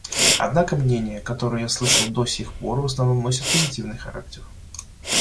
Однако мнения, которые я слышал до сих пор, в основном носят позитивный характер.